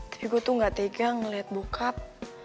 tapi gue tuh nggak tegang liat bokap